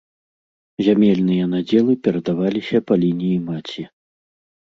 Зямельныя надзелы перадаваліся па лініі маці.